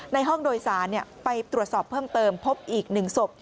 ในห้องโดยสารไปตรวจสอบเพิ่มเติมพบอีก๑ศพ